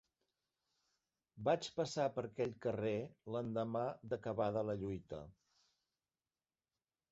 Vaig passar per aquell carrer l'endemà d'acabada la lluita